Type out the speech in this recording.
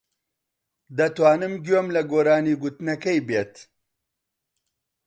دەتوانم گوێم لە گۆرانی گوتنەکەی بێت.